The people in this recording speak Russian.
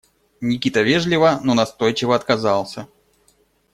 Никита вежливо, но настойчиво отказался.